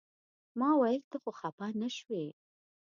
ما ویل ته خو خپه نه شوې.